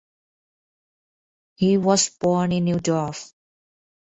He was born in Neudorf.